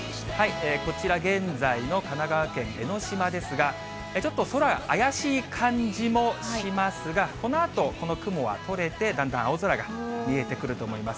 こちら、現在の神奈川県江の島ですが、ちょっと空、怪しい感じもしますが、このあと、この雲はとれて、だんだん青空が見えてくると思います。